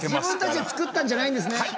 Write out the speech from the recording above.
自分たちで作ったんじゃないんですね。